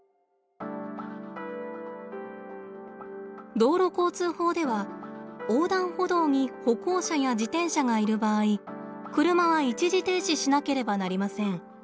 道路交通法では横断歩道に歩行者や自転車がいる場合車は一時停止しなければなりません。